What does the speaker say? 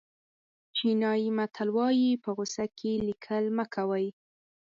چینایي متل وایي په غوسه کې لیکل مه کوئ.